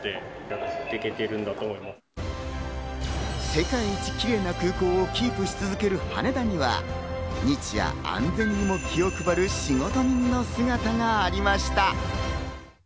世界一キレイな空港をキープし続ける羽田には日夜安全にも気を配る仕事人の姿がありました。